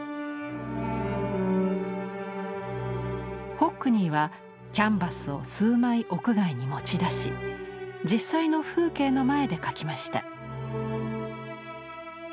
ホックニーはキャンバスを数枚屋外に持ち出し実際の風景の前で描きました。